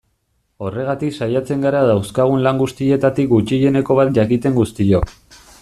Horregatik saiatzen gara dauzkagun lan guztietatik gutxieneko bat jakiten guztiok.